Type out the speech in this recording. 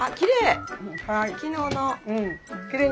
昨日の。